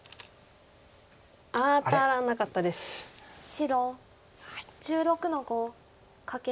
白１６の五カケ。